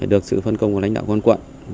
được sự phân công của lãnh đạo quân quận